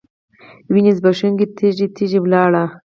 وینې ځبېښونکي تږي، تږي ولاړ